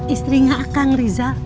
istri gak akan rizal